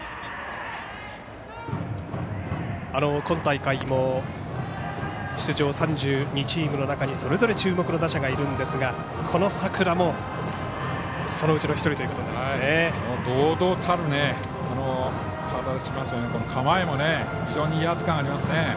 今大会も、出場３２チームの中にそれぞれ注目の打者がいるんですがこの佐倉もそのうちの１人となりますね。